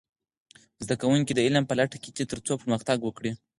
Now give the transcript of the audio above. زده کوونکي د علم په لټه کې دي ترڅو پرمختګ وکړي.